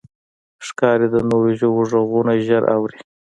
ښکاري د نورو ژوو غږونه ژر اوري.